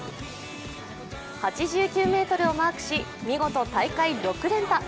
８９ｍをマークし、見事大会６連覇。